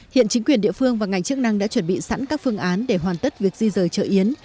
hiện chính quyền địa phương và ngành chức năng đã chuẩn bị sẵn các phương án để hoàn tất việc di rời chợ yến